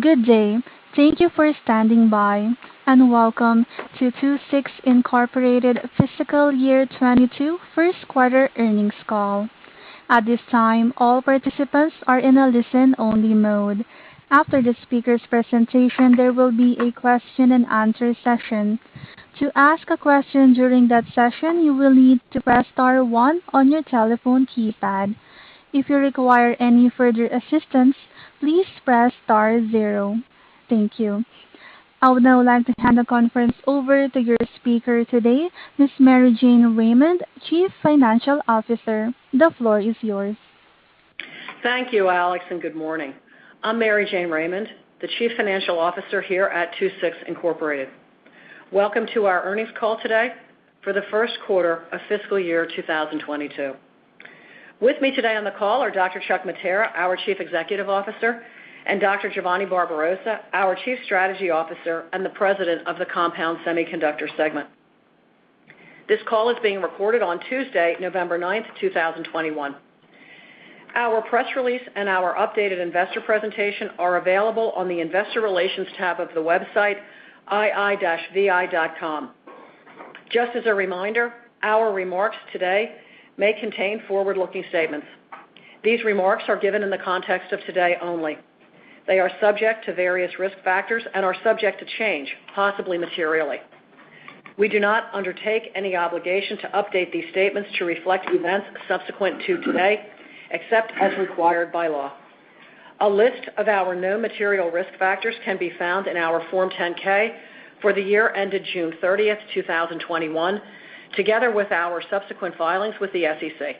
Good day. Thank you for standing by, and welcome to II-VI Incorporated Fiscal Year 2022 First Quarter Earnings Call. At this time, all participants are in a listen-only mode. After the speaker's presentation, there will be a question-and-answer session. To ask a question during that session, you will need to press star one on your telephone keypad. If you require any further assistance, please press star zero. Thank you. I would now like to hand the conference over to your speaker today, Ms. Mary Jane Raymond, Chief Financial Officer. The floor is yours. Thank you, Alex, and good morning. I'm Mary Jane Raymond, the Chief Financial Officer here at II-VI Incorporated. Welcome to our earnings call today for the first quarter of fiscal year 2022. With me today on the call are Dr. Chuck Mattera, our Chief Executive Officer, and Dr. Giovanni Barbarossa, our Chief Strategy Officer and the President of the Compound Semiconductor Segment. This call is being recorded on Tuesday, November 9, 2021. Our press release and our updated investor presentation are available on the Investor Relations tab of the website ii-vi.com. Just as a reminder, our remarks today may contain forward-looking statements. These remarks are given in the context of today only. They are subject to various risk factors and are subject to change, possibly materially. We do not undertake any obligation to update these statements to reflect events subsequent to today, except as required by law. A list of our known material risk factors can be found in our Form 10-K for the year ended June 30, 2021, together with our subsequent filings with the SEC.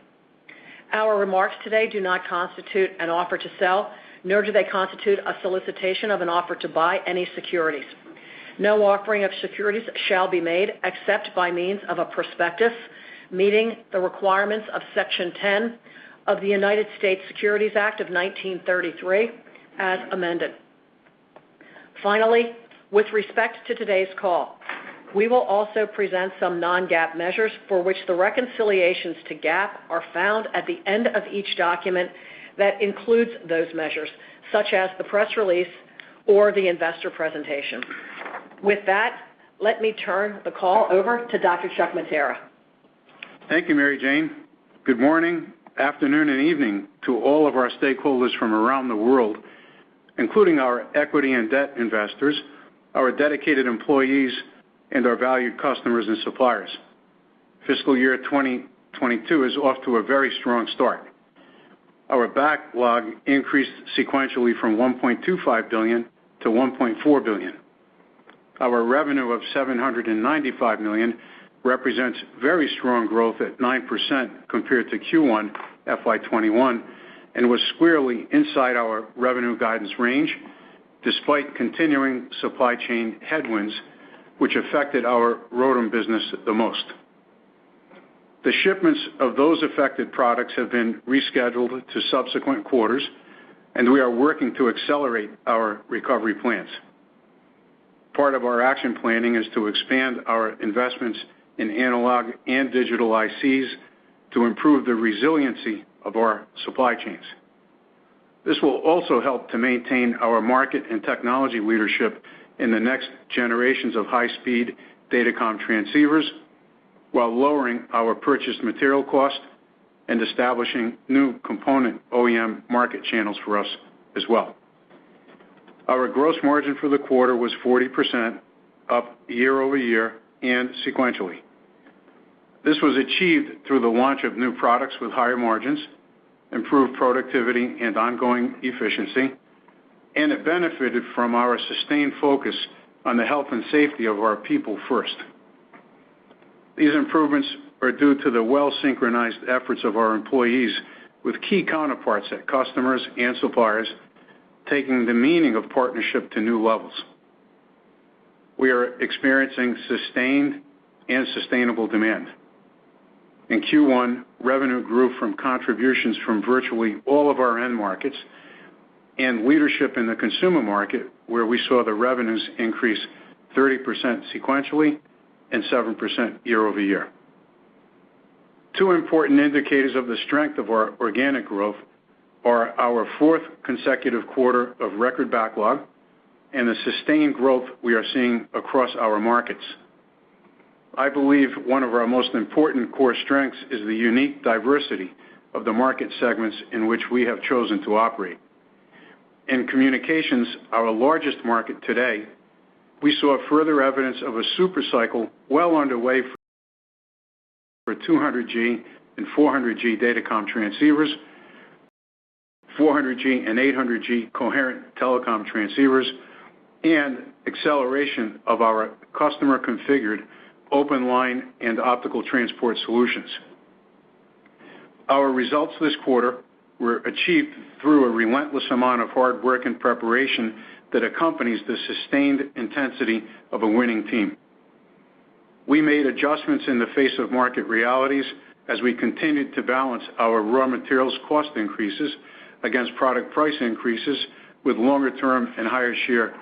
Our remarks today do not constitute an offer to sell, nor do they constitute a solicitation of an offer to buy any securities. No offering of securities shall be made except by means of a prospectus meeting the requirements of Section 10 of the United States Securities Act of 1933 as amended. Finally, with respect to today's call, we will also present some non-GAAP measures for which the reconciliations to GAAP are found at the end of each document that includes those measures, such as the press release or the investor presentation. With that, let me turn the call over to Dr. Chuck Mattera. Thank you, Mary Jane. Good morning, afternoon, and evening to all of our stakeholders from around the world, including our equity and debt investors, our dedicated employees, and our valued customers and suppliers. Fiscal year 2022 is off to a very strong start. Our backlog increased sequentially from $1.25 billion to $1.4 billion. Our revenue of $795 million represents very strong growth at 9% compared to Q1 FY 2021 and was squarely inside our revenue guidance range despite continuing supply chain headwinds, which affected our ROADM business the most. The shipments of those affected products have been rescheduled to subsequent quarters, and we are working to accelerate our recovery plans. Part of our action planning is to expand our investments in analog and digital ICs to improve the resiliency of our supply chains. This will also help to maintain our market and technology leadership in the next generations of high-speed datacom transceivers while lowering our purchased material cost and establishing new component OEM market channels for us as well. Our gross margin for the quarter was 40% up year-over-year and sequentially. This was achieved through the launch of new products with higher margins, improved productivity, and ongoing efficiency, and it benefited from our sustained focus on the health and safety of our people first. These improvements are due to the well-synchronized efforts of our employees with key counterparts at customers and suppliers, taking the meaning of partnership to new levels. We are experiencing sustained and sustainable demand. In Q1, revenue grew from contributions from virtually all of our end markets and leadership in the consumer market, where we saw the revenues increase 30% sequentially and 7% year-over-year. Two important indicators of the strength of our organic growth are our fourth consecutive quarter of record backlog and the sustained growth we are seeing across our markets. I believe one of our most important core strengths is the unique diversity of the market segments in which we have chosen to operate. In communications, our largest market today, we saw further evidence of a super cycle well underway for 200 G and 400 G datacom transceivers, 400 G and 800 G coherent telecom transceivers, and acceleration of our customer configured open line and optical transport solutions. Our results this quarter were achieved through a relentless amount of hard work and preparation that accompanies the sustained intensity of a winning team. We made adjustments in the face of market realities as we continued to balance our raw materials cost increases against product price increases with longer term and higher share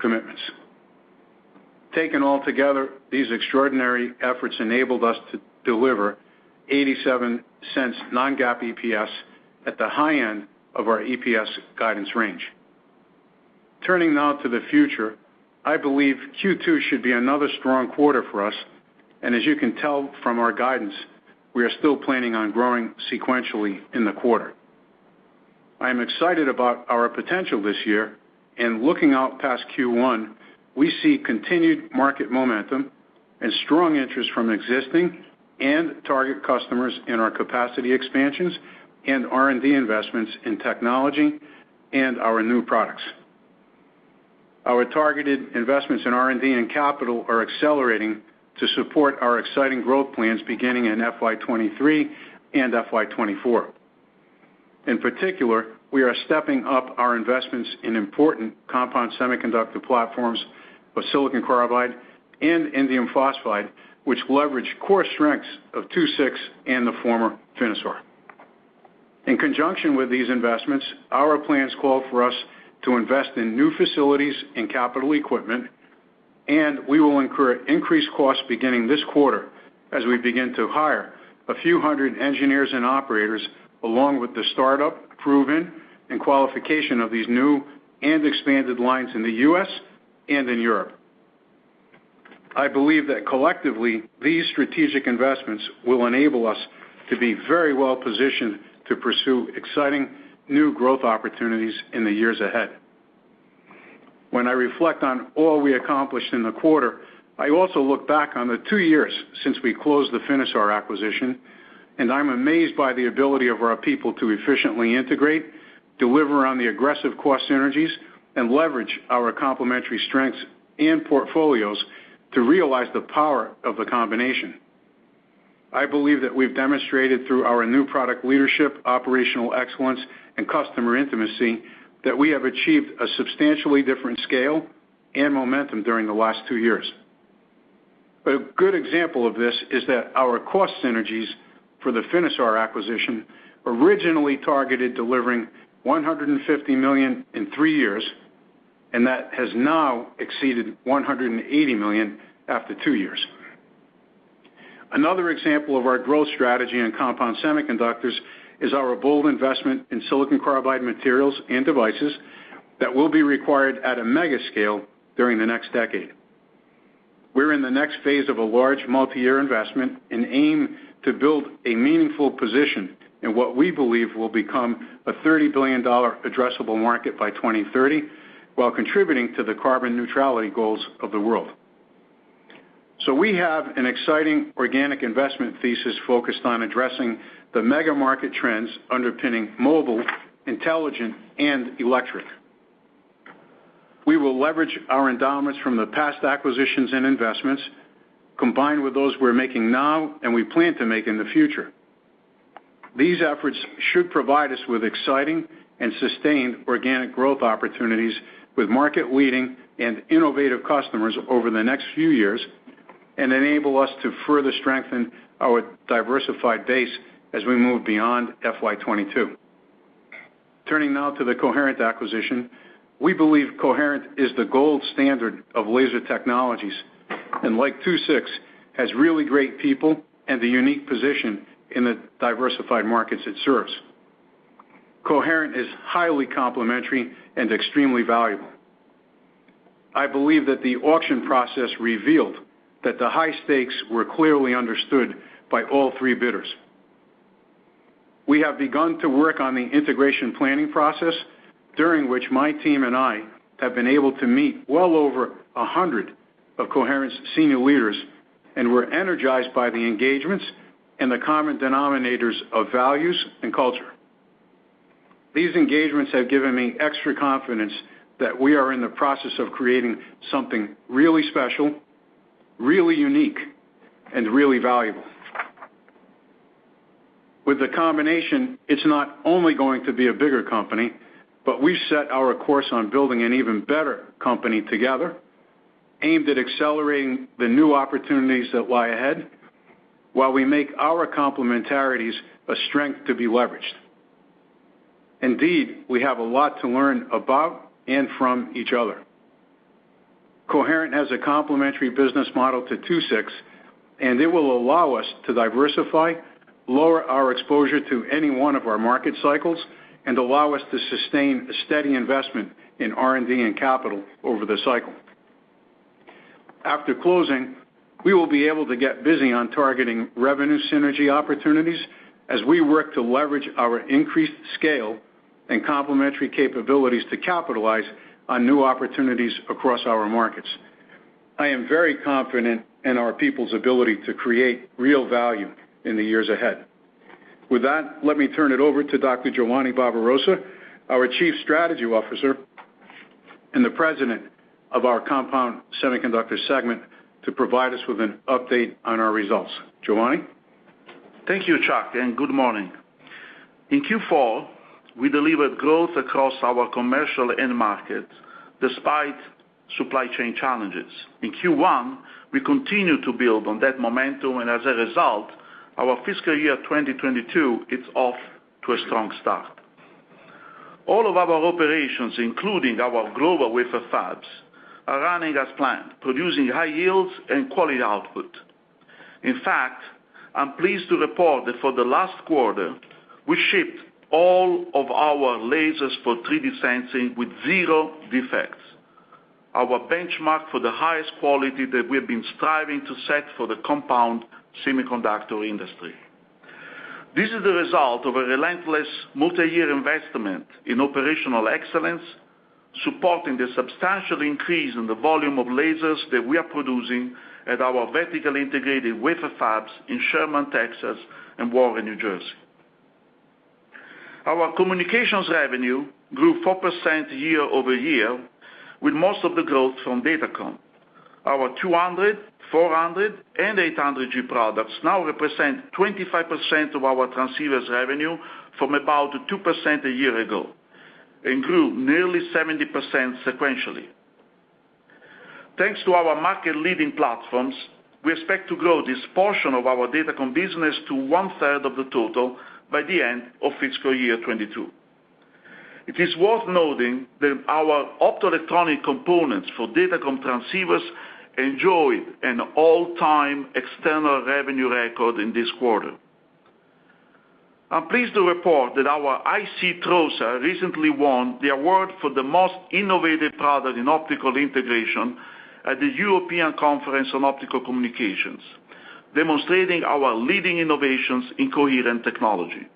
commitments. Taken all together, these extraordinary efforts enabled us to deliver $0.87 non-GAAP EPS at the high end of our EPS guidance range. Turning now to the future, I believe Q2 should be another strong quarter for us, and as you can tell from our guidance, we are still planning on growing sequentially in the quarter. I am excited about our potential this year, and looking out past Q1, we see continued market momentum and strong interest from existing and target customers in our capacity expansions and R&D investments in technology and our new products. Our targeted investments in R&D and capital are accelerating to support our exciting growth plans beginning in FY 2023 and FY 2024. In particular, we are stepping up our investments in important compound semiconductor platforms with silicon carbide and indium phosphide, which leverage core strengths of II-VI and the former Finisar. In conjunction with these investments, our plans call for us to invest in new facilities and capital equipment, and we will incur increased costs beginning this quarter as we begin to hire a few hundred engineers and operators along with the startup, proven, and qualification of these new and expanded lines in the U.S. and in Europe. I believe that collectively, these strategic investments will enable us to be very well positioned to pursue exciting new growth opportunities in the years ahead. When I reflect on all we accomplished in the quarter, I also look back on the two years since we closed the Finisar acquisition, and I'm amazed by the ability of our people to efficiently integrate, deliver on the aggressive cost synergies, and leverage our complementary strengths and portfolios to realize the power of the combination. I believe that we've demonstrated through our new product leadership, operational excellence, and customer intimacy that we have achieved a substantially different scale and momentum during the last two years. A good example of this is that our cost synergies for the Finisar acquisition originally targeted delivering $150 million in three years, and that has now exceeded $180 million after two years. Another example of our growth strategy in compound semiconductors is our bold investment in silicon carbide materials and devices that will be required at a mega scale during the next decade. We're in the next phase of a large multi-year investment and aim to build a meaningful position in what we believe will become a $30 billion addressable market by 2030, while contributing to the carbon neutrality goals of the world. We have an exciting organic investment thesis focused on addressing the mega market trends underpinning mobile, intelligent, and electric. We will leverage our endowments from the past acquisitions and investments, combined with those we're making now, and we plan to make in the future. These efforts should provide us with exciting and sustained organic growth opportunities with market-leading and innovative customers over the next few years, and enable us to further strengthen our diversified base as we move beyond FY 2022. Turning now to the Coherent acquisition. We believe Coherent is the gold standard of laser technologies, and like II-VI, has really great people and a unique position in the diversified markets it serves. Coherent is highly complementary and extremely valuable. I believe that the auction process revealed that the high stakes were clearly understood by all three bidders. We have begun to work on the integration planning process, during which my team and I have been able to meet well over 100 of Coherent's senior leaders, and we're energized by the engagements and the common denominators of values and culture. These engagements have given me extra confidence that we are in the process of creating something really special, really unique, and really valuable. With the combination, it's not only going to be a bigger company, but we've set our course on building an even better company together, aimed at accelerating the new opportunities that lie ahead while we make our complementarities a strength to be leveraged. Indeed, we have a lot to learn about and from each other. Coherent has a complementary business model to II-VI, and it will allow us to diversify, lower our exposure to any one of our market cycles, and allow us to sustain a steady investment in R&D and capital over the cycle. After closing, we will be able to get busy on targeting revenue synergy opportunities as we work to leverage our increased scale and complementary capabilities to capitalize on new opportunities across our markets. I am very confident in our people's ability to create real value in the years ahead. With that, let me turn it over to Dr. Giovanni Barbarossa, our Chief Strategy Officer and the President of our Compound Semiconductor Segment to provide us with an update on our results. Giovanni? Thank you, Chuck, and good morning. In Q4, we delivered growth across our commercial end markets despite supply chain challenges. In Q1, we continued to build on that momentum, and as a result, our fiscal year 2022 is off to a strong start. All of our operations, including our global wafer fabs, are running as planned, producing high yields and quality output. In fact, I'm pleased to report that for the last quarter, we shipped all of our lasers for 3D sensing with zero defects, our benchmark for the highest quality that we have been striving to set for the compound semiconductor industry. This is the result of a relentless multi-year investment in operational excellence, supporting the substantial increase in the volume of lasers that we are producing at our vertically integrated wafer fabs in Sherman, Texas, and Warren, New Jersey. Our communications revenue grew 4% year-over-year, with most of the growth from Datacom. Our 200, 400, and 800 G products now represent 25% of our transceivers revenue from about 2% a year ago and grew nearly 70% sequentially. Thanks to our market-leading platforms, we expect to grow this portion of our Datacom business to 1/3 of the total by the end of fiscal year 2022. It is worth noting that our optoelectronic components for Datacom transceivers enjoyed an all-time external revenue record in this quarter. I'm pleased to report that our IC TOSA recently won the award for the most innovative product in optical integration at the European Conference on Optical Communications, demonstrating our leading innovations in coherent technology.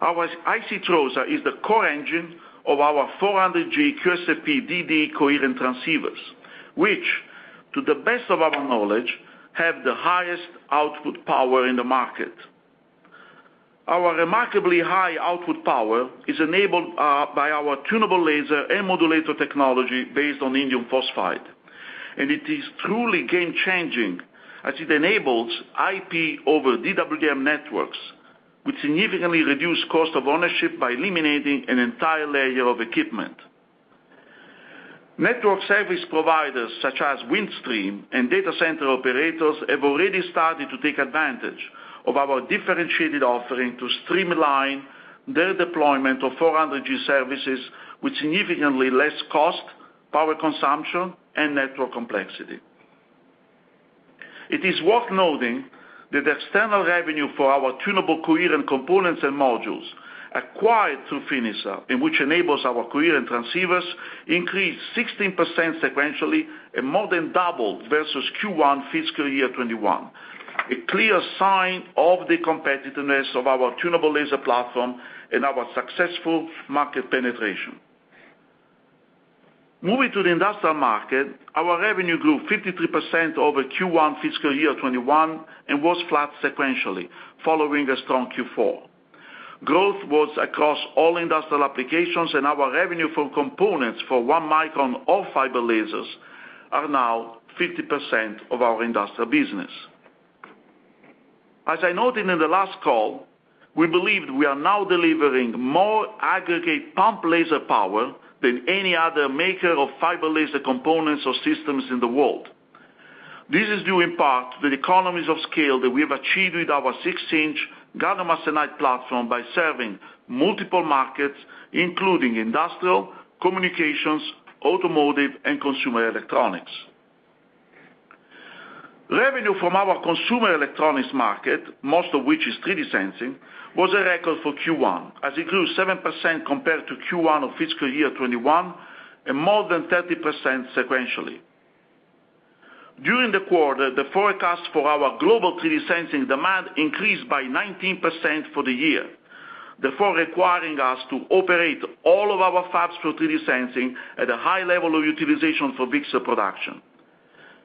Our IC TOSA is the core engine of our 400G QSFPDD coherent transceivers, which to the best of our knowledge, have the highest output power in the market. Our remarkably high output power is enabled by our tunable laser and modulator technology based on indium phosphide, and it is truly game-changing as it enables IP over DWDM networks, which significantly reduce cost of ownership by eliminating an entire layer of equipment. Network service providers such as Windstream and data center operators have already started to take advantage of our differentiated offering to streamline their deployment of 400G services with significantly less cost, power consumption, and network complexity. It is worth noting that external revenue for our tunable coherent components and modules acquired through Finisar, and which enables our coherent transceivers, increased 16% sequentially and more than doubled versus Q1 FY 2021. A clear sign of the competitiveness of our tunable laser platform and our successful market penetration. Moving to the industrial market, our revenue grew 53% over Q1 FY 2021 and was flat sequentially following a strong Q4. Growth was across all industrial applications, and our revenue from components for 1-micron all-fiber lasers are now 50% of our industrial business. As I noted in the last call, we believe we are now delivering more aggregate pump laser power than any other maker of fiber laser components or systems in the world. This is due in part to the economies of scale that we have achieved with our six-inch gallium arsenide platform by serving multiple markets, including industrial, communications, automotive, and consumer electronics. Revenue from our consumer electronics market, most of which is 3D sensing, was a record for Q1 as it grew 7% compared to Q1 of fiscal year 2021 and more than 30% sequentially. During the quarter, the forecast for our global 3D sensing demand increased by 19% for the year, therefore requiring us to operate all of our fabs for 3D sensing at a high level of utilization for mixed production.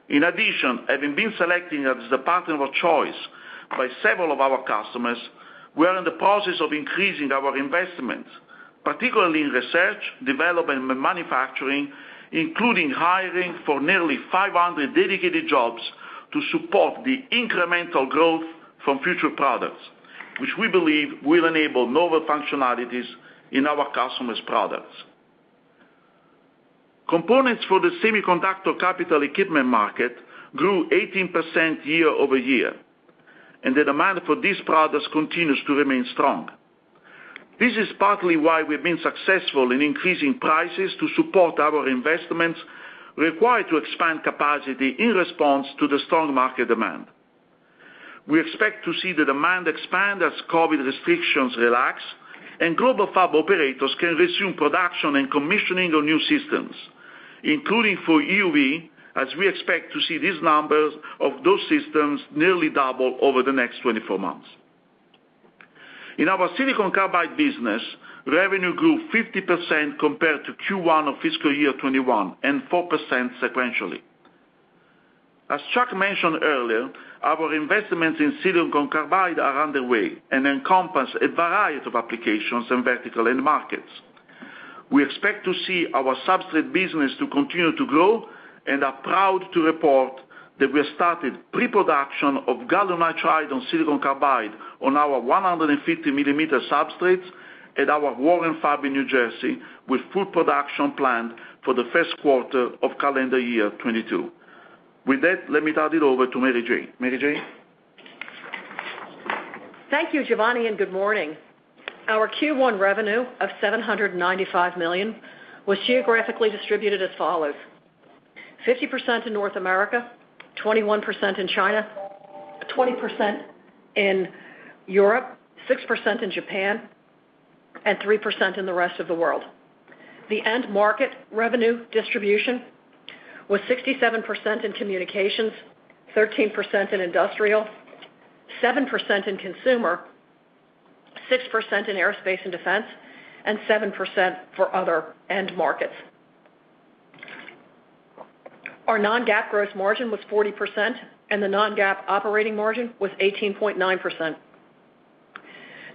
In addition, having been selected as the partner of choice by several of our customers, we are in the process of increasing our investments, particularly in research, development, manufacturing, including hiring for nearly 500 dedicated jobs to support the incremental growth from future products, which we believe will enable novel functionalities in our customers' products. Components for the semiconductor capital equipment market grew 18% year-over-year, and the demand for these products continues to remain strong. This is partly why we've been successful in increasing prices to support our investments required to expand capacity in response to the strong market demand. We expect to see the demand expand as COVID restrictions relax and global fab operators can resume production and commissioning of new systems, including for EUV, as we expect to see these numbers of those systems nearly double over the next 24 months. In our silicon carbide business, revenue grew 50% compared to Q1 of fiscal year 2021 and 4% sequentially. As Chuck mentioned earlier, our investments in silicon carbide are underway and encompass a variety of applications and vertical end markets. We expect to see our substrate business to continue to grow and are proud to report that we have started pre-production of gallium nitride on silicon carbide on our 150 millimeter substrates at our Warren Fab in New Jersey with full production planned for the first quarter of calendar year 2022. With that, let me turn it over to Mary Jane. Mary Jane? Thank you, Giovanni, and good morning. Our Q1 revenue of $795 million was geographically distributed as follows: 50% in North America, 21% in China, 20% in Europe, 6% in Japan, and 3% in the rest of the world. The end market revenue distribution was 67% in communications, 13% in industrial, 7% in consumer, 6% in aerospace and defense, and 7% for other end markets. Our non-GAAP gross margin was 40% and the non-GAAP operating margin was 18.9%.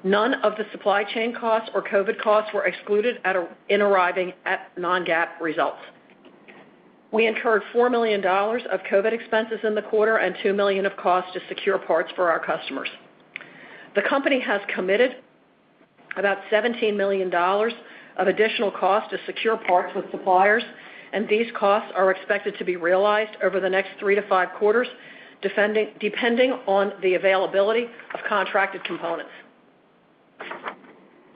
None of the supply chain costs or COVID costs were excluded in arriving at non-GAAP results. We incurred $4 million of COVID expenses in the quarter and $2 million of costs to secure parts for our customers. The company has committed about $17 million of additional cost to secure parts with suppliers, and these costs are expected to be realized over the next 3-5 quarters, depending on the availability of contracted components.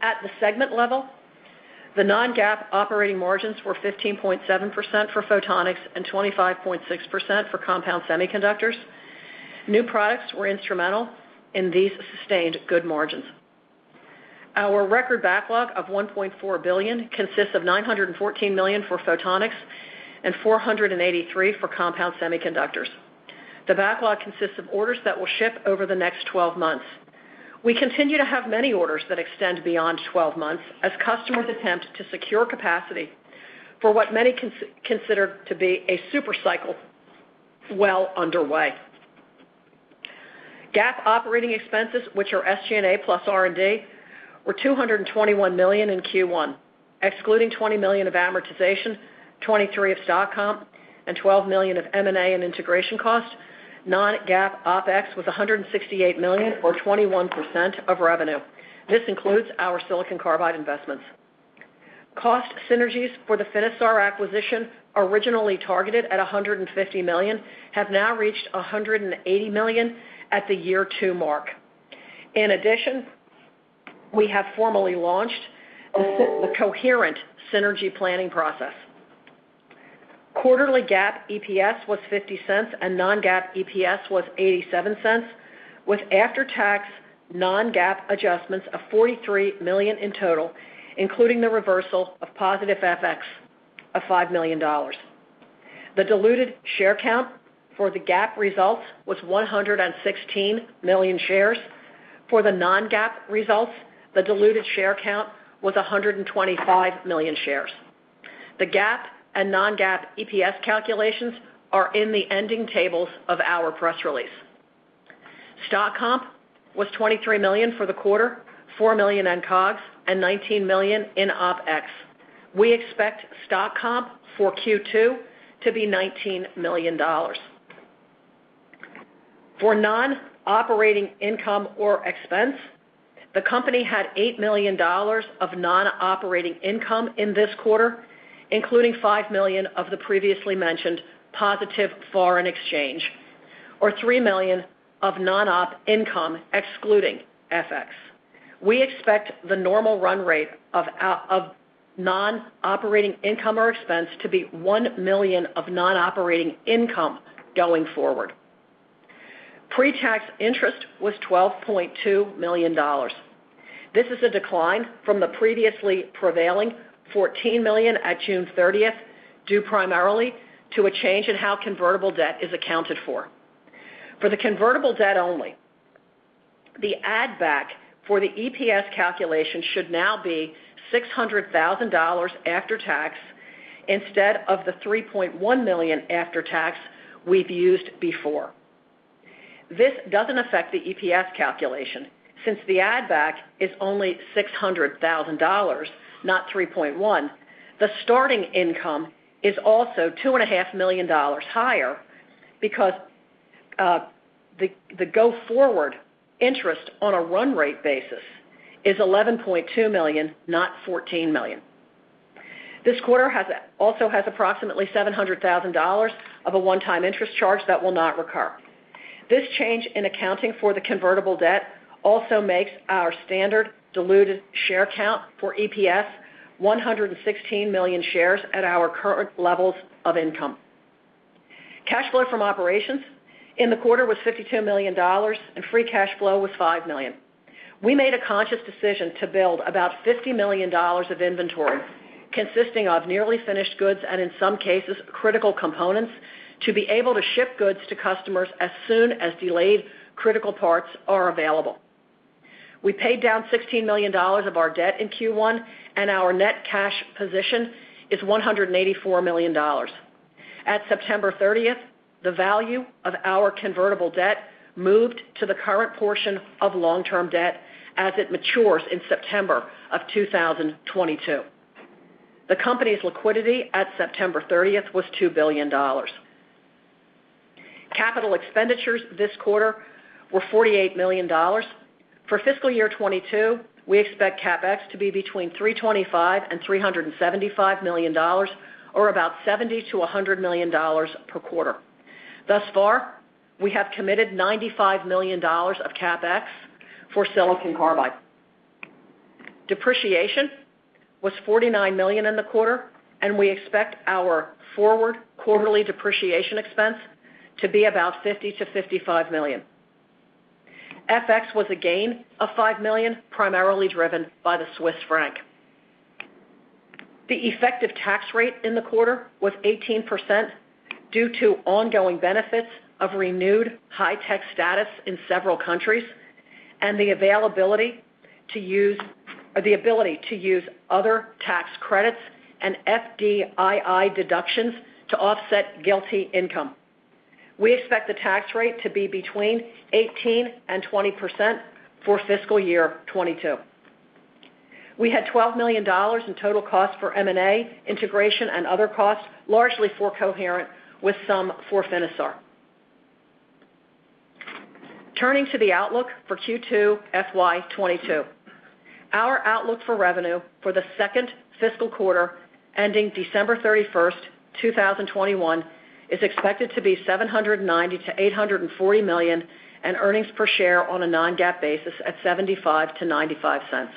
At the segment level, the non-GAAP operating margins were 15.7% for Photonics and 25.6% for Compound Semiconductors. New products were instrumental in these sustained good margins. Our record backlog of $1.4 billion consists of $914 million for Photonics and $483 million for Compound Semiconductors. The backlog consists of orders that will ship over the next 12 months. We continue to have many orders that extend beyond 12 months as customers attempt to secure capacity for what many consider to be a super cycle well underway. GAAP operating expenses, which are SG&A plus R&D, were $221 million in Q1. Excluding $20 million of amortization, 23 of stock comp, and $12 million of M&A and integration costs, non-GAAP OpEx was $168 million or 21% of revenue. This includes our silicon carbide investments. Cost synergies for the Finisar acquisition, originally targeted at $150 million, have now reached $180 million at the year two mark. In addition, we have formally launched the Coherent synergy planning process. Quarterly GAAP EPS was $0.50 and non-GAAP EPS was $0.87, with after-tax non-GAAP adjustments of $43 million in total, including the reversal of positive FX of $5 million. The diluted share count for the GAAP results was 116 million shares. For the non-GAAP results, the diluted share count was 125 million shares. The GAAP and non-GAAP EPS calculations are in the ending tables of our press release. Stock comp was $23 million for the quarter, $4 million in COGS, and $19 million in OpEx. We expect stock comp for Q2 to be $19 million. For non-operating income or expense, the company had $8 million of non-operating income in this quarter, including $5 million of the previously mentioned positive foreign exchange, or $3 million of non-op income excluding FX. We expect the normal run rate out of non-operating income or expense to be $1 million of non-operating income going forward. Pre-tax interest was $12.2 million. This is a decline from the previously prevailing $14 million at June thirtieth, due primarily to a change in how convertible debt is accounted for. For the convertible debt only, the add back for the EPS calculation should now be $600,000 after tax instead of the $3.1 million after tax we've used before. This doesn't affect the EPS calculation. Since the add back is only $600,000, not three point one, the starting income is also $2.5 million higher because the go forward interest on a run rate basis is $11.2 million, not $14 million. This quarter has approximately $700,000 of a one-time interest charge that will not recur. This change in accounting for the convertible debt also makes our standard diluted share count for EPS 116 million shares at our current levels of income. Cash flow from operations in the quarter was $52 million, and free cash flow was $5 million. We made a conscious decision to build about $50 million of inventory consisting of nearly finished goods and, in some cases, critical components to be able to ship goods to customers as soon as delayed critical parts are available. We paid down $16 million of our debt in Q1, and our net cash position is $184 million. At September 30th, the value of our convertible debt moved to the current portion of long-term debt as it matures in September of 2022. The company's liquidity at September 30th was $2 billion. Capital expenditures this quarter were $48 million. For fiscal year 2022, we expect CapEx to be between $325 million and $375 million or about $70 million-$100 million per quarter. Thus far, we have committed $95 million of CapEx for silicon carbide. Depreciation was $49 million in the quarter, and we expect our forward quarterly depreciation expense to be about $50 million-$55 million. FX was a gain of $5 million, primarily driven by the Swiss franc. The effective tax rate in the quarter was 18% due to ongoing benefits of renewed high tech status in several countries and the ability to use other tax credits and FDII deductions to offset GILTI income. We expect the tax rate to be between 18% and 20% for fiscal year 2022. We had $12 million in total costs for M&A integration and other costs, largely for Coherent with some for Finisar. Turning to the outlook for Q2 FY 2022. Our outlook for revenue for the second fiscal quarter ending December thirty-first, two thousand twenty-one is expected to be $790 million-$840 million, and earnings per share on a non-GAAP basis at $0.75-$0.95.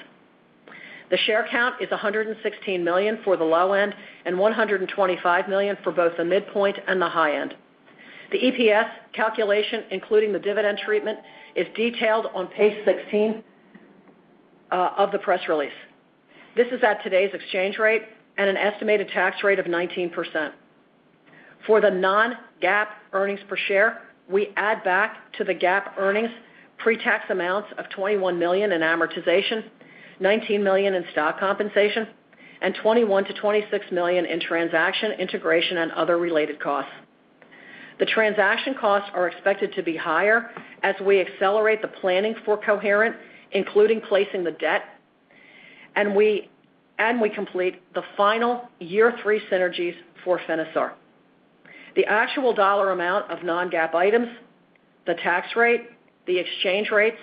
The share count is 116 million for the low end and 125 million for both the midpoint and the high end. The EPS calculation, including the dividend treatment, is detailed on page 16 of the press release. This is at today's exchange rate at an estimated tax rate of 19%. For the non-GAAP earnings per share, we add back to the GAAP earnings pre-tax amounts of $21 million in amortization, $19 million in stock compensation, and $21 million-$26 million in transaction integration and other related costs. The transaction costs are expected to be higher as we accelerate the planning for Coherent, including placing the debt, and we complete the final year three synergies for Finisar. The actual dollar amount of non-GAAP items, the tax rate, the exchange rates,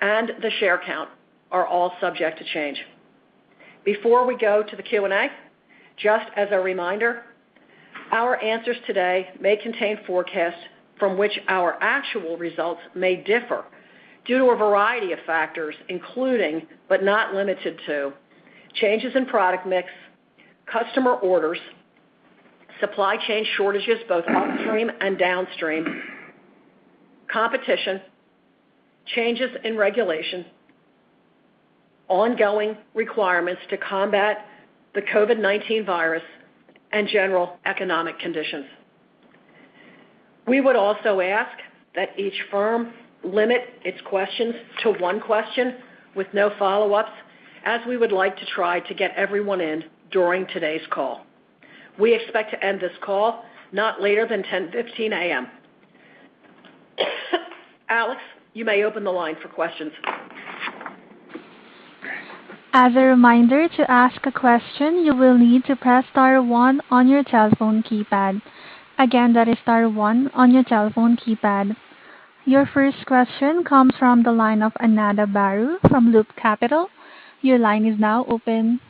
and the share count are all subject to change. Before we go to the Q&A, just as a reminder, our answers today may contain forecasts from which our actual results may differ due to a variety of factors, including, but not limited to, changes in product mix, customer orders, supply chain shortages, both upstream and downstream, competition, changes in regulations, ongoing requirements to combat the COVID-19 virus and general economic conditions. We would also ask that each firm limit its questions to one question with no follow-ups, as we would like to try to get everyone in during today's call. We expect to end this call not later than 10:15 A.M. Alex, you may open the line for questions. As a reminder, to ask a question, you will need to press star one on your telephone keypad. Again, that is star one on your telephone keypad. Your first question comes from the line of Ananda Baruah from Loop Capital. Your line is now open.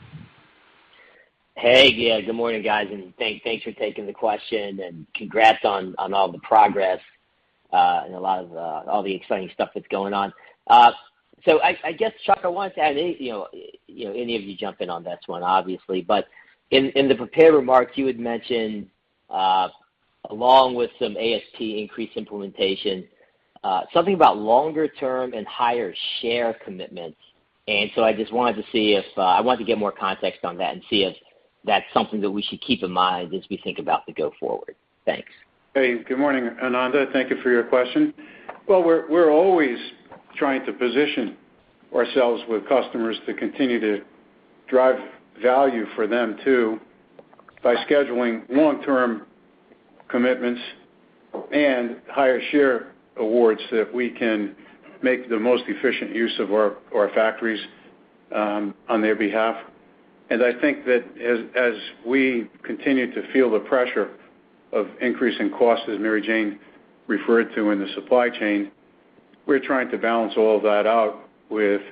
Hey. Yeah, good morning, guys, and thanks for taking the question. Congrats on all the progress and a lot of all the exciting stuff that's going on. I guess, Chuck, I want to add, you know, any of you jump in on this one, obviously, but in the prepared remarks you had mentioned, along with some ASP increase implementation, something about longer term and higher share commitments. I just wanted to see if I wanted to get more context on that and see if that's something that we should keep in mind as we think about the go forward. Thanks. Hey, good morning, Ananda. Thank you for your question. Well, we're always trying to position ourselves with customers to continue to drive value for them too, by scheduling long-term commitments and higher share awards that we can make the most efficient use of our factories on their behalf. I think that as we continue to feel the pressure of increasing costs, as Mary Jane referred to in the supply chain, we're trying to balance all of that out with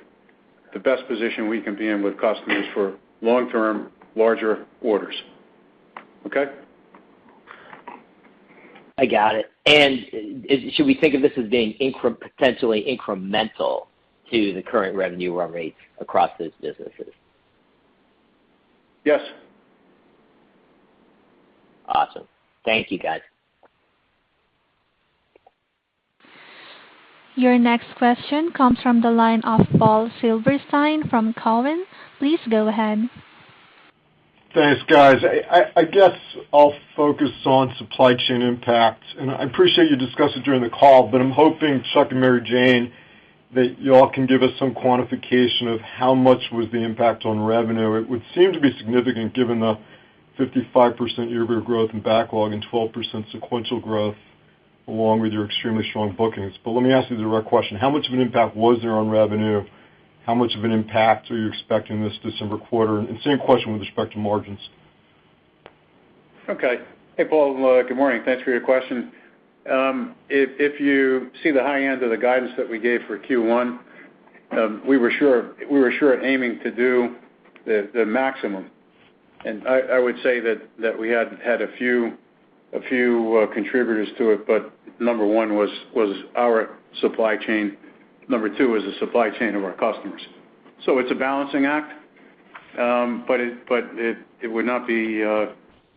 the best position we can be in with customers for long-term larger orders. Okay? I got it. Should we think of this as being potentially incremental to the current revenue run rates across those businesses? Yes. Awesome. Thank you, guys. Your next question comes from the line of Paul Silverstein from Cowen. Please go ahead. Thanks, guys. I guess I'll focus on supply chain impact, and I appreciate you discussing during the call, but I'm hoping, Chuck and Mary Jane, that you all can give us some quantification of how much was the impact on revenue. It would seem to be significant given the 55% year-over-year growth in backlog and 12% sequential growth, along with your extremely strong bookings. Let me ask you the direct question, how much of an impact was there on revenue? How much of an impact are you expecting this December quarter? And same question with respect to margins. Okay. Hey, Paul, good morning. Thanks for your question. If you see the high end of the guidance that we gave for Q1, we were sure aiming to do the maximum. I would say that we had had a few contributors to it, but number one was our supply chain. Number two is the supply chain of our customers. It's a balancing act, but it would not be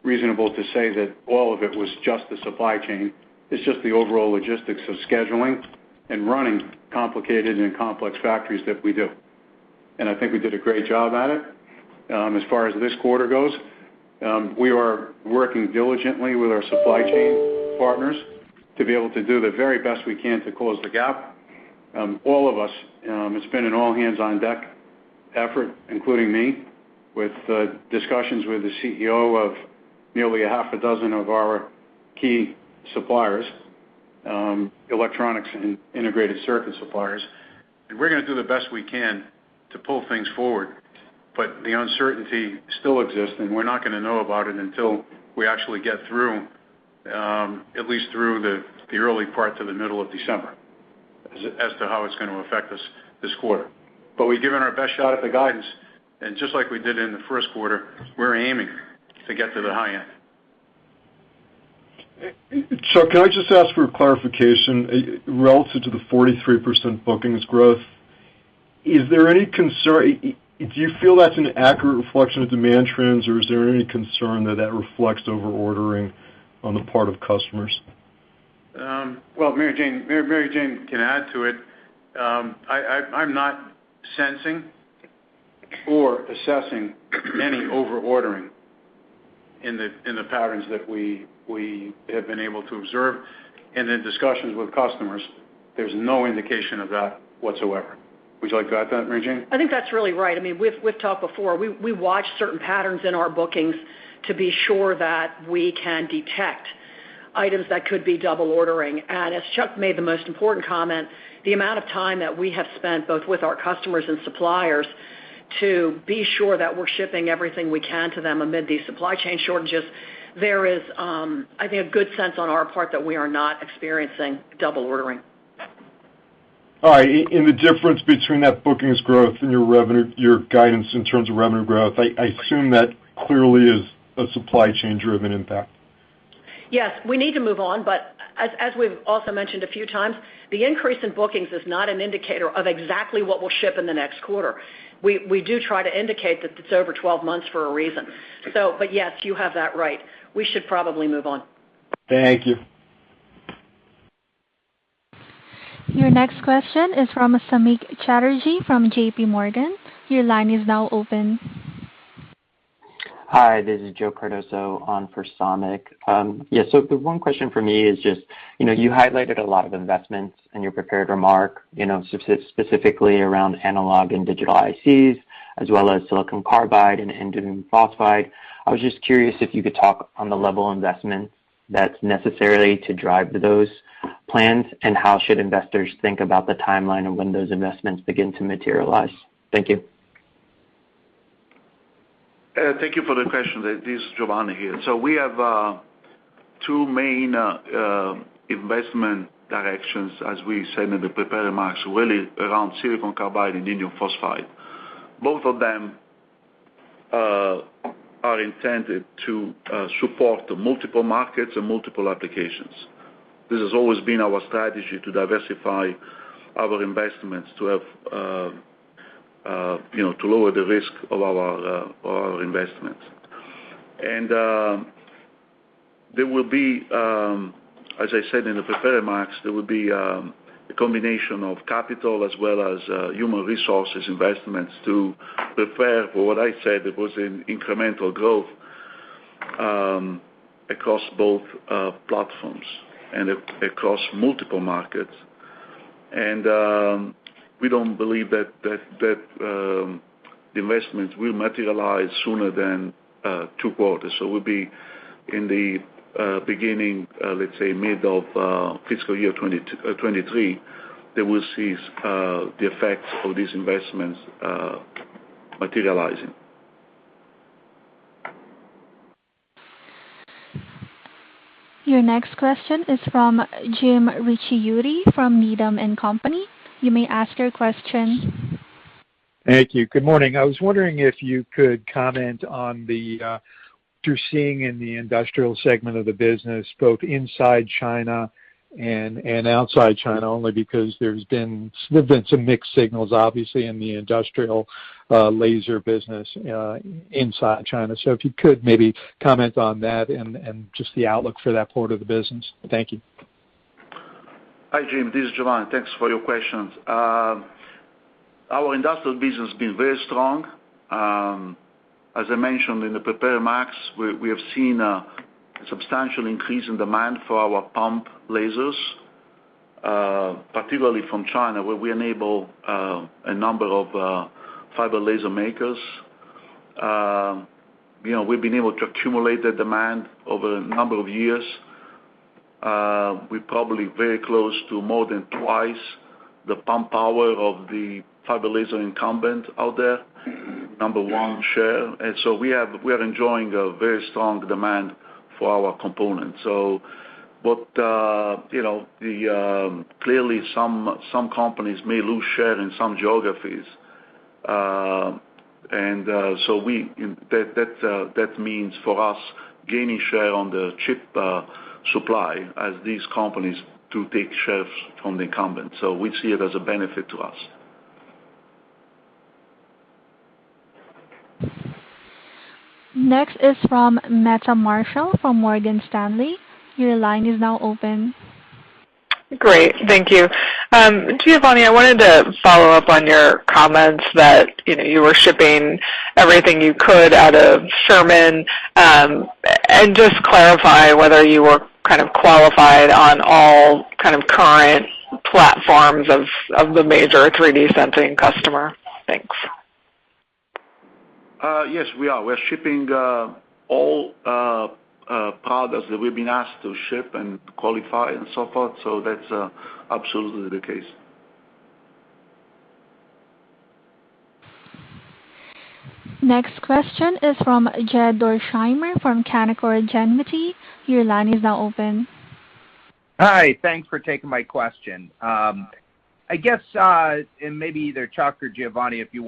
reasonable to say that all of it was just the supply chain. It's just the overall logistics of scheduling and running complicated and complex factories that we do. I think we did a great job at it. As far as this quarter goes, we are working diligently with our supply chain partners to be able to do the very best we can to close the gap. All of us, it's been an all-hands-on-deck effort, including me, with discussions with the CEO of nearly a half a dozen of our key suppliers, electronics and integrated circuit suppliers. We're gonna do the best we can to pull things forward, but the uncertainty still exists, and we're not gonna know about it until we actually get through at least through the early parts of the middle of December as to how it's gonna affect us this quarter. We've given our best shot at the guidance, and just like we did in the first quarter, we're aiming to get to the high end. Chuck, can I just ask for clarification relative to the 43% bookings growth? Is there any concern? Do you feel that's an accurate reflection of demand trends, or is there any concern that reflects over-ordering on the part of customers? Well, Mary Jane can add to it. I'm not sensing or assessing any over-ordering in the patterns that we have been able to observe. In discussions with customers, there's no indication of that whatsoever. Would you like to add that, Mary Jane? I think that's really right. I mean, we've talked before. We watch certain patterns in our bookings to be sure that we can detect items that could be double ordering. As Chuck made the most important comment, the amount of time that we have spent both with our customers and suppliers to be sure that we're shipping everything we can to them amid these supply chain shortages. There is, I think, a good sense on our part that we are not experiencing double ordering. All right. The difference between that bookings growth and your revenue, your guidance in terms of revenue growth, I assume that clearly is a supply chain-driven impact. Yes. We need to move on, but as we've also mentioned a few times, the increase in bookings is not an indicator of exactly what we'll ship in the next quarter. We do try to indicate that it's over 12 months for a reason. But yes, you have that right. We should probably move on. Thank you. Your next question is from Samik Chatterjee from J.P. Morgan. Your line is now open. Hi, this is Joe Cardoso on for Samik. The one question for me is just, you know, you highlighted a lot of investments in your prepared remark, you know, specifically around analog and digital ICs, as well as silicon carbide and indium phosphide. I was just curious if you could talk on the level of investment that's necessary to drive those plans, and how should investors think about the timeline of when those investments begin to materialize? Thank you. Thank you for the question. This is Giovanni here. We have two main investment directions, as we said in the prepared remarks, really around silicon carbide and indium phosphide. Both of them are intended to support multiple markets and multiple applications. This has always been our strategy to diversify our investments, to have, you know, to lower the risk of our investments. There will be, as I said in the prepared remarks, a combination of capital as well as human resources investments to prepare for what I said was an incremental growth, across both platforms and across multiple markets. We don't believe that the investments will materialize sooner than two quarters. We'll be in the beginning, let's say mid of fiscal year 2023 that we'll see the effects of these investments materializing. Your next question is from Jim Ricchiuti from Needham & Company. You may ask your question. Thank you. Good morning. I was wondering if you could comment on what you're seeing in the industrial segment of the business, both inside China and outside China, only because there's been some mixed signals, obviously, in the industrial laser business inside China. If you could maybe comment on that and just the outlook for that part of the business. Thank you. Hi, Jim, this is Giovanni. Thanks for your questions. Our industrial business has been very strong. As I mentioned in the prepared remarks, we have seen a substantial increase in demand for our pump lasers, particularly from China, where we enable a number of fiber laser makers. You know, we've been able to accumulate the demand over a number of years. We're probably very close to more than twice the pump power of the fiber laser incumbent out there, number one share. We are enjoying a very strong demand for our components. What, you know, the, clearly some companies may lose share in some geographies. And so we, that means for us gaining share on the chip supply as these companies to take shares from the incumbent. We see it as a benefit to us. Next is from Meta Marshall from Morgan Stanley. Your line is now open. Great. Thank you. Giovanni, I wanted to follow up on your comments that you were shipping everything you could out of Sherman, and just clarify whether you were kind of qualified on all kind of current platforms of the major 3D sensing customer. Thanks. Yes, we are. We're shipping all products that we've been asked to ship and qualify and so forth, so that's absolutely the case. Next question is from Jed Dorsheimer from Canaccord Genuity. Your line is now open. Hi. Thanks for taking my question. I guess, maybe either Chuck or Giovanni, if you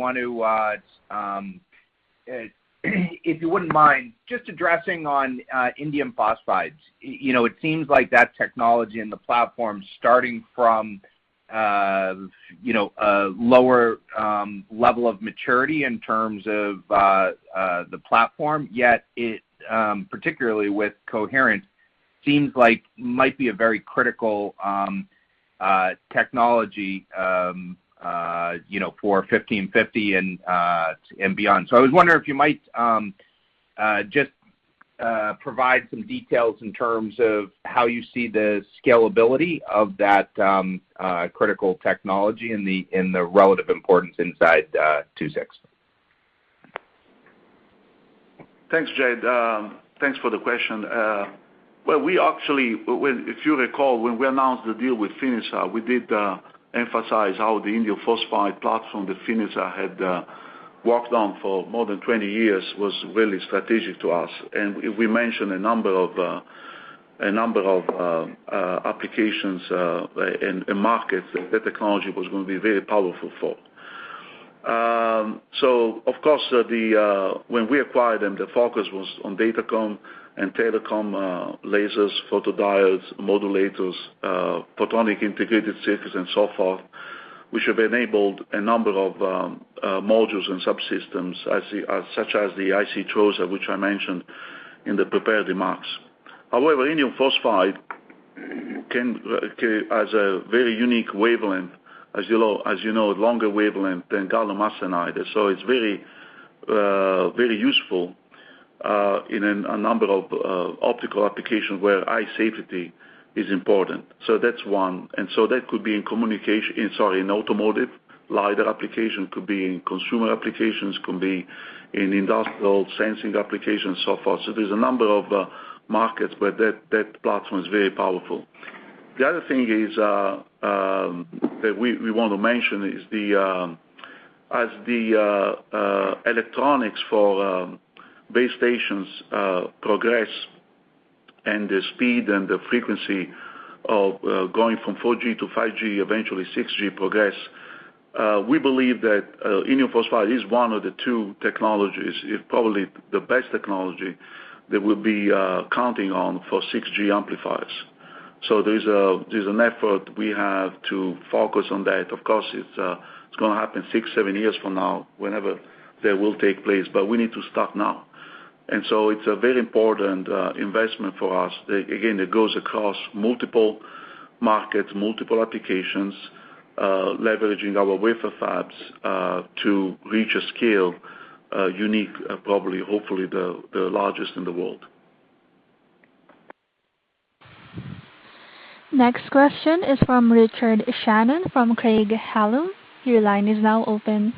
wouldn't mind just addressing indium phosphide. You know, it seems like that technology and the platform starting from a lower level of maturity in terms of the platform. Yet it, particularly with coherent, seems like might be a very critical technology, you know, for 1550 and beyond. I was wondering if you might just provide some details in terms of how you see the scalability of that critical technology and the relative importance inside II-VI. Thanks, Jed. Thanks for the question. If you recall, when we announced the deal with Finisar, we did emphasize how the indium phosphide platform that Finisar had worked on for more than 20 years was really strategic to us. We mentioned a number of applications and markets that that technology was gonna be very powerful for. When we acquired them, the focus was on datacom and telecom lasers, photodiodes, modulators, photonic integrated circuits and so forth, which have enabled a number of modules and subsystems such as the IC TOSA which I mentioned in the prepared remarks. However, indium phosphide has a very unique wavelength, as you know, longer wavelength than gallium arsenide. It's very useful in a number of optical applications where eye safety is important. That's one. That could be in automotive LIDAR application, could be in consumer applications, can be in industrial sensing applications, so forth. There's a number of markets where that platform is very powerful. The other thing is that we want to mention is as the electronics for base stations progress and the speed and the frequency of going from 4G to 5G, eventually 6G progress, we believe that indium phosphide is one of the two technologies, if probably the best technology, that we'll be counting on for 6G amplifiers. There's an effort we have to focus on that. Of course, it's gonna happen 6-7 years from now, whenever that will take place, but we need to start now. It's a very important investment for us. Again, it goes across multiple markets, multiple applications, leveraging our wafer fabs to reach a scale unique, probably, hopefully the largest in the world. Next question is from Richard Shannon from Craig-Hallum. Your line is now open.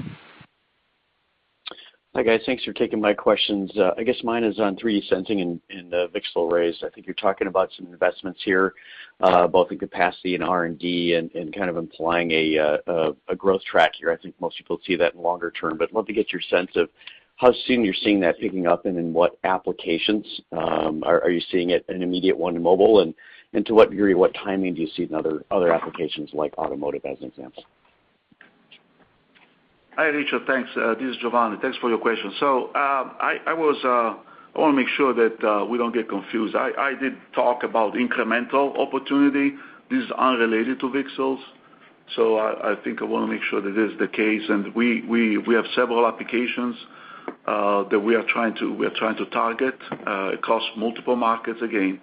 Hi, guys. Thanks for taking my questions. I guess mine is on 3D sensing and VCSEL arrays. I think you're talking about some investments here, both in capacity and R&D and kind of implying a growth track here. I think most people see that longer term, but I'd love to get your sense of how soon you're seeing that picking up, and in what applications are you seeing it? An immediate one in mobile and to what degree, what timing do you see in other applications like automotive as an example? Hi, Richard. Thanks. This is Giovanni. Thanks for your question. I wanna make sure that we don't get confused. I did talk about incremental opportunity. This is unrelated to VCSELs. I think I wanna make sure that is the case. We have several applications that we are trying to target across multiple markets again.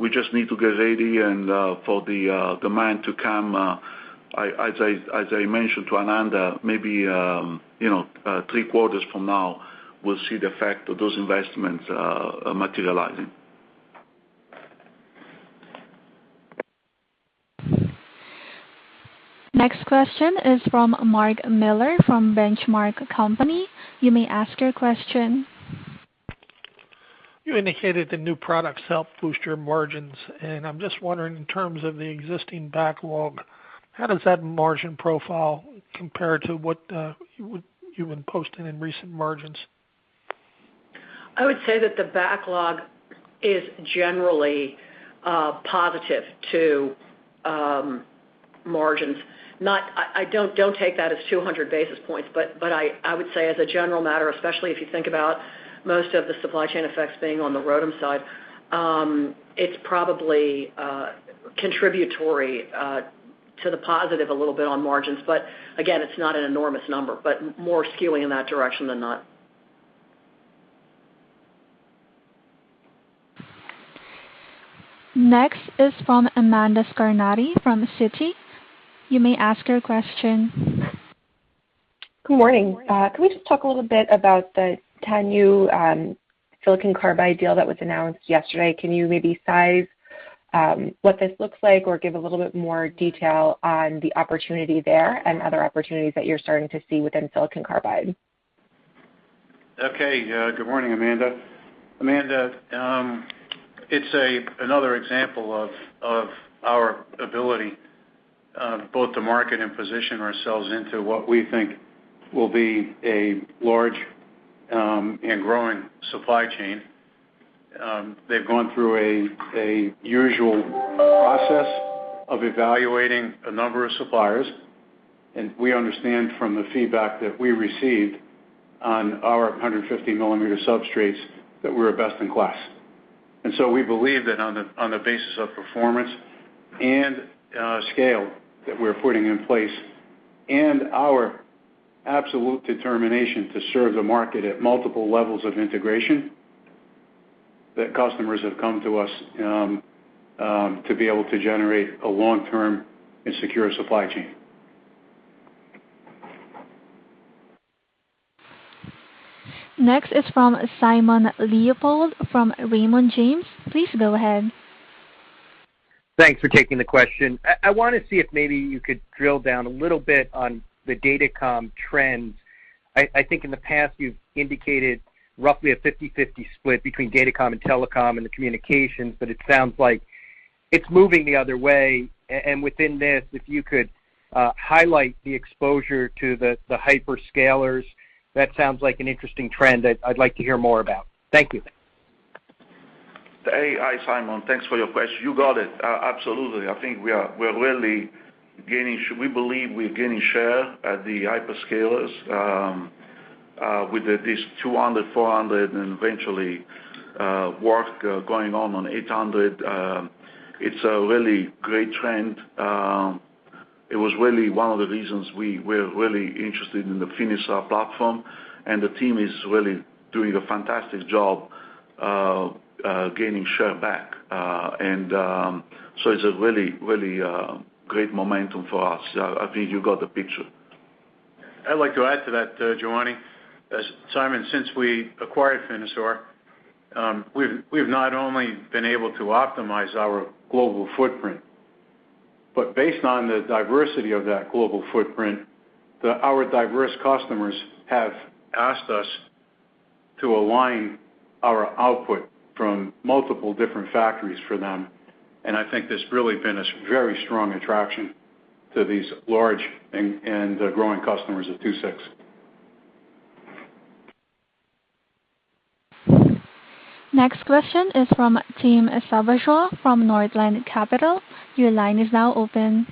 We just need to get ready for the demand to come as I mentioned to Ananda, maybe you know three quarters from now we'll see the effect of those investments materializing. Next question is from Mark Miller from Benchmark Company. You may ask your question. You indicated the new products helped boost your margins. I'm just wondering, in terms of the existing backlog, how does that margin profile compare to what you've been posting in recent margins? I would say that the backlog is generally positive to margins. I don't take that as 200 basis points, but I would say as a general matter, especially if you think about most of the supply chain effects being on the ROADM side, it's probably contributory to the positive a little bit on margins. Again, it's not an enormous number, but more skewing in that direction than not. Next is from Amanda Scarnati from Citi. You may ask your question. Good morning. Can we just talk a little bit about the 10 new silicon carbide deal that was announced yesterday? Can you maybe size what this looks like or give a little bit more detail on the opportunity there and other opportunities that you're starting to see within silicon carbide? Okay, good morning, Amanda. Amanda, it's another example of our ability both to market and position ourselves into what we think will be a large and growing supply chain. They've gone through a usual process of evaluating a number of suppliers, and we understand from the feedback that we received on our 150 millimeter substrates that we're a best in class. We believe that on the basis of performance and scale that we're putting in place and our absolute determination to serve the market at multiple levels of integration, that customers have come to us to be able to generate a long-term and secure supply chain. Next is from Simon Leopold from Raymond James. Please go ahead. Thanks for taking the question. I wanna see if maybe you could drill down a little bit on the datacom trends. I think in the past you've indicated roughly a 50/50 split between datacom and telecom and the communications, but it sounds like it's moving the other way. And within this, if you could highlight the exposure to the hyperscalers, that sounds like an interesting trend I'd like to hear more about. Thank you. Hey. Hi, Simon. Thanks for your question. You got it. Absolutely. I think we're really gaining. We believe we're gaining share at the hyperscalers with at least 200, 400 and eventually work going on 800. It's a really great trend. It was really one of the reasons we were really interested in the Finisar platform, and the team is really doing a fantastic job of gaining share back. And so it's a really great momentum for us. I think you got the picture. I'd like to add to that, Giovanni. As Simon, since we acquired Finisar, we've not only been able to optimize our global footprint, but based on the diversity of that global footprint, our diverse customers have asked us to align our output from multiple different factories for them. I think there's really been a very strong attraction to these large and growing customers of II-VI. Next question is from Tim Savageaux from Northland Capital Markets. Your line is now open.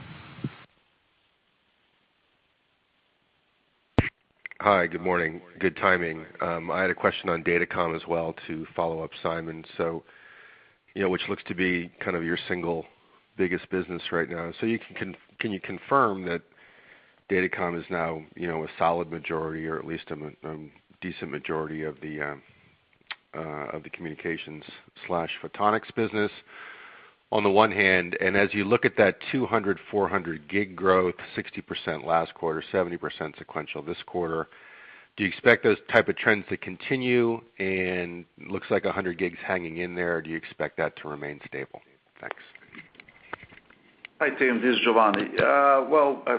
Hi. Good morning. Good timing. I had a question on datacom as well to follow up Simon. You know, which looks to be kind of your single biggest business right now. Can you confirm that datacom is now, you know, a solid majority or at least a decent majority of the communications/photonics business on the one hand? As you look at that 200, 400 gig growth, 60% last quarter, 70% sequential this quarter, do you expect those type of trends to continue and looks like 100 gigs hanging in there? Do you expect that to remain stable? Thanks. Hi, Tim. This is Giovanni.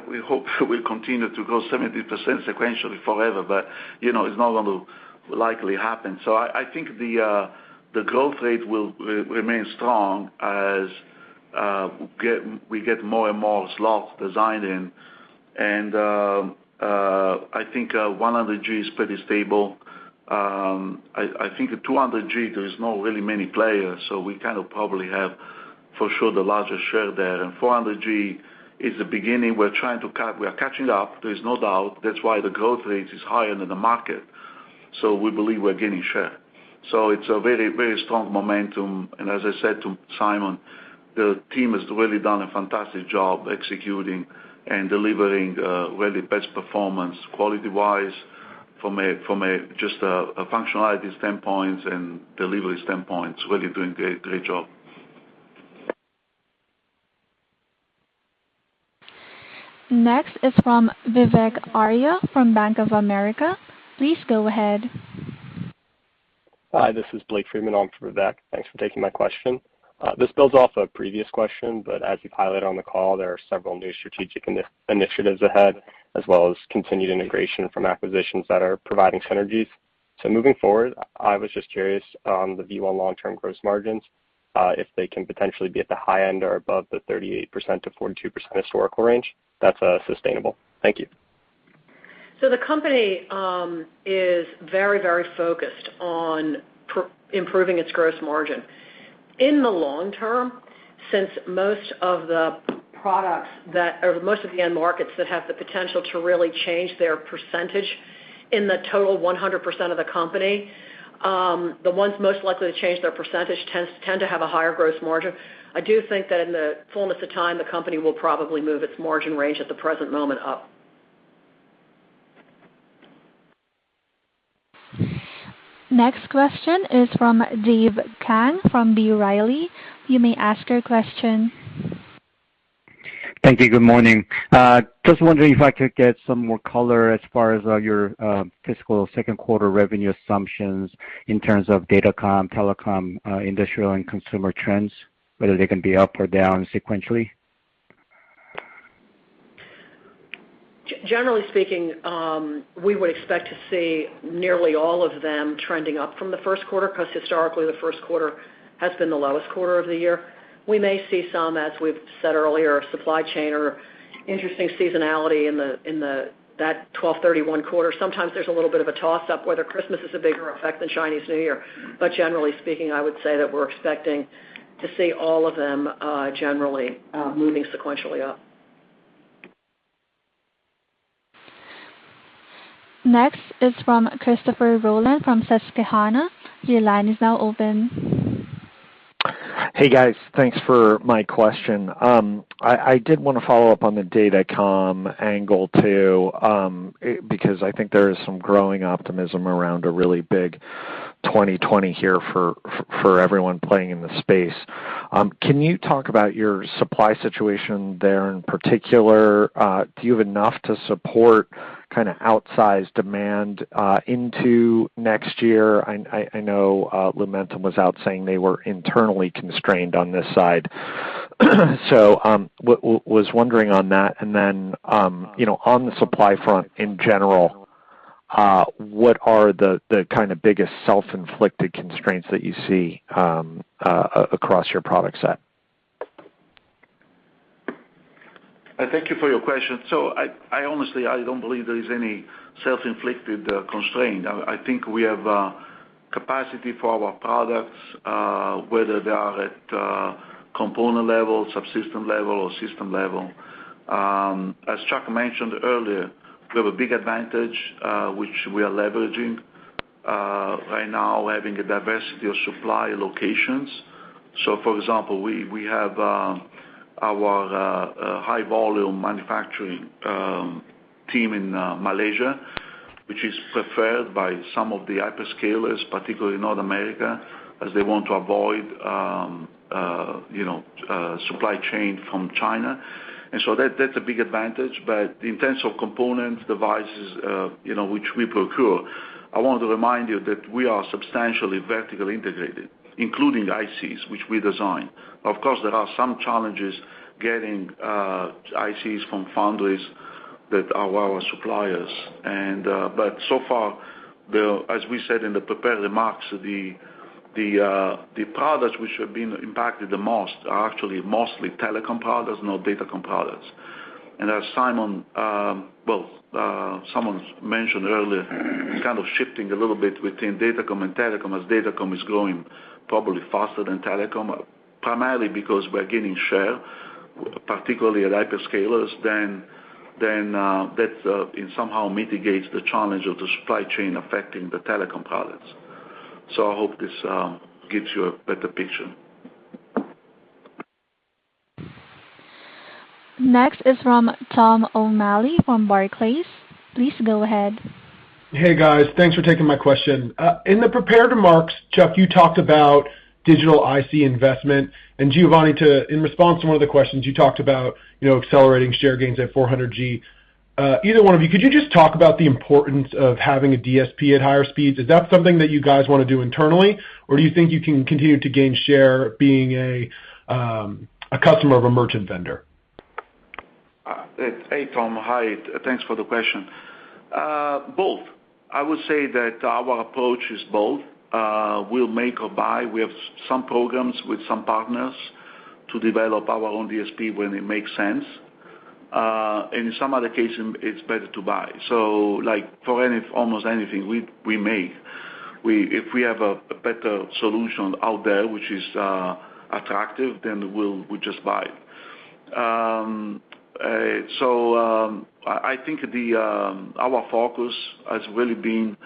We hope we'll continue to grow 70% sequentially forever, but you know, it's not gonna likely happen. I think the growth rate will remain strong as we get more and more slots designed in. I think 100 G is pretty stable. I think at 200 G, there is not really many players, so we kind of probably have for sure the largest share there. 400 G is the beginning. We are catching up, there is no doubt. That's why the growth rate is higher than the market, so we believe we're gaining share. It's a very, very strong momentum. As I said to Simon, the team has really done a fantastic job executing and delivering, really best performance quality-wise from a, just a functionality standpoints and delivery standpoints. Really doing great job. Next is from Vivek Arya from Bank of America. Please go ahead. Hi, this is Blake Friedman. I'm from Vivek. Thanks for taking my question. This builds off a previous question, but as you've highlighted on the call, there are several new strategic initiatives ahead, as well as continued integration from acquisitions that are providing synergies. Moving forward, I was just curious on the II-VI long-term gross margins, if they can potentially be at the high end or above the 38%-42% historical range that's sustainable. Thank you. The company is very, very focused on improving its gross margin. In the long term, since most of the products or most of the end markets that have the potential to really change their percentage in the total 100% of the company, the ones most likely to change their percentage tend to have a higher gross margin. I do think that in the fullness of time, the company will probably move its margin range at the present moment up. Next question is from Dave Kang from B. Riley. You may ask your question. Thank you. Good morning. Just wondering if I could get some more color as far as your fiscal second quarter revenue assumptions in terms of datacom, telecom, industrial and consumer trends, whether they can be up or down sequentially. Generally speaking, we would expect to see nearly all of them trending up from the first quarter because historically the first quarter has been the lowest quarter of the year. We may see some, as we've said earlier, supply chain or interesting seasonality in the 12/31 quarter. Sometimes there's a little bit of a toss-up whether Christmas is a bigger effect than Chinese New Year. Generally speaking, I would say that we're expecting to see all of them generally moving sequentially up. Next is from Christopher Rolland from Susquehanna. Your line is now open. Hey, guys. Thanks for my question. I did want to follow up on the datacom angle, too, because I think there is some growing optimism around a really big 2020 here for everyone playing in the space. Can you talk about your supply situation there in particular? Do you have enough to support kind of outsized demand into next year? I know Lumentum was out saying they were internally constrained on this side. Was wondering on that. Then, you know, on the supply front in general, what are the kind of biggest self-inflicted constraints that you see across your product set? Thank you for your question. I honestly don't believe there is any self-inflicted constraint. I think we have capacity for our products, whether they are at component level, subsystem level, or system level. As Chuck mentioned earlier, we have a big advantage, which we are leveraging right now, having a diversity of supply locations. For example, we have our high volume manufacturing team in Malaysia, which is preferred by some of the hyperscalers, particularly North America, as they want to avoid you know supply chain from China. That’s a big advantage. But in terms of components, devices, you know, which we procure, I want to remind you that we are substantially vertically integrated, including the ICs which we design. Of course, there are some challenges getting ICs from foundries that are our suppliers. But so far, as we said in the prepared remarks, the products which have been impacted the most are actually mostly telecom products, not datacom products. As Simon mentioned earlier, kind of shifting a little bit within datacom and telecom, as datacom is growing probably faster than telecom, primarily because we're gaining share, particularly at hyperscalers, then it somehow mitigates the challenge of the supply chain affecting the telecom products. I hope this gives you a better picture. Next is from Tom O'Malley from Barclays. Please go ahead. Hey, guys. Thanks for taking my question. In the prepared remarks, Chuck, you talked about digital IC investment. Giovanni, in response to one of the questions, you talked about, you know, accelerating share gains at 400 G. Either one of you, could you just talk about the importance of having a DSP at higher speeds? Is that something that you guys wanna do internally, or do you think you can continue to gain share being a customer of a merchant vendor? Hey, Tom. Hi. Thanks for the question. Both. I would say that our approach is both. We'll make or buy. We have some programs with some partners to develop our own DSP when it makes sense. In some other cases, it's better to buy. Like for any almost anything we make, if we have a better solution out there which is attractive, then we'll just buy. I think our focus has really been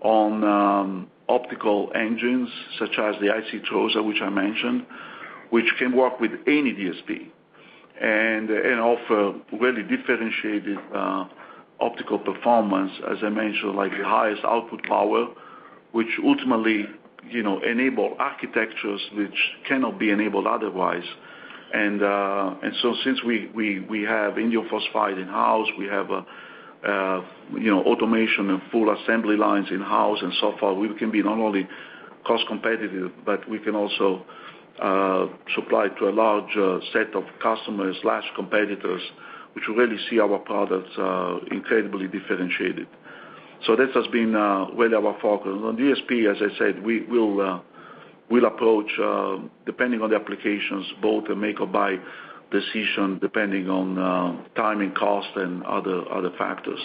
on optical engines such as the IC TOSA which I mentioned, which can work with any DSP and offer really differentiated optical performance, as I mentioned, like the highest output power, which ultimately, you know, enable architectures which cannot be enabled otherwise. Since we have indium phosphide in-house, we have you know, automation and full assembly lines in-house and so far, we can be not only cost competitive, but we can also supply to a large set of customers/competitors, which really see our products are incredibly differentiated. This has been really our focus. On DSP, as I said, we'll approach depending on the applications, both a make or buy decision depending on time and cost and other factors.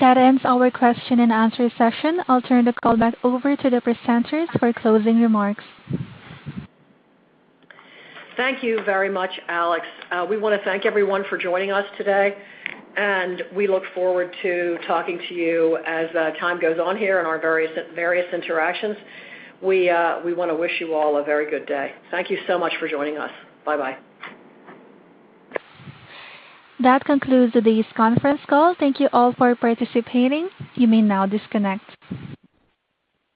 That ends our question and answer session. I'll turn the call back over to the presenters for closing remarks. Thank you very much, Alex. We want to thank everyone for joining us today, and we look forward to talking to you as time goes on here in our various interactions. We want to wish you all a very good day. Thank you so much for joining us. Bye-bye. That concludes today's conference call. Thank you all for participating. You may now disconnect.